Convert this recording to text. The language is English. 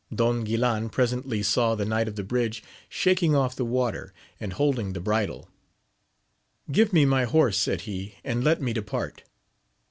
Don Guilan presently saw the knight of the bridge shaking off the water, and holding the bridle : Give me my horse, said he, and let me depart.